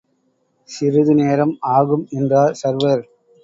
சிறிது நேரம் ஆகும் என்றார் சர்வர்.